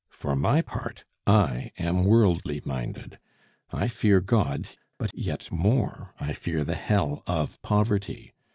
For my part, I am worldly minded; I fear God, but yet more I fear the hell of poverty.